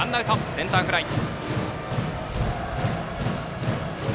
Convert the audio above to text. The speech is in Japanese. センターフライ。